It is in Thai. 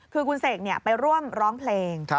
คือคุณเสกไปร่วมร้องเพลง